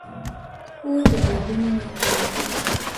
خور د عیبونو نه تېره کېږي.